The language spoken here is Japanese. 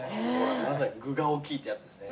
まさに具が大きいってやつですね。